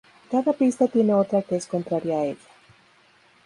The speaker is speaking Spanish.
Cada pista tiene otra que es contraria a ella.